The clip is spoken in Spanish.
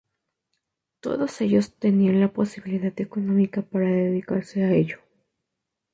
Todos ellos tenían la posibilidad económica para dedicarse a ello.